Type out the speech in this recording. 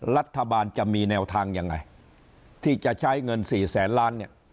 รัฐบาลจะมีแนวทางยังไงที่จะใช้เงินสี่แสนล้านเนี่ย